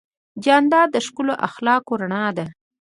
جانداد د ښکلو اخلاقو رڼا ده.